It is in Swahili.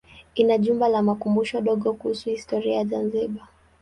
Ina jumba la makumbusho dogo kuhusu historia ya Zanzibar.